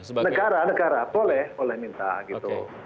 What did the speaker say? negara negara boleh boleh minta gitu